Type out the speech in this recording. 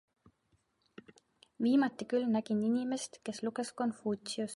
Viimati küll nägin inimest, kes luges Konfutsiust.